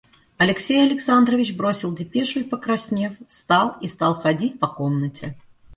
Алексей Александрович бросил депешу и, покраснев, встал и стал ходить по комнате.